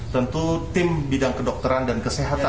tentu tim bidang kedokteran dan kesehatan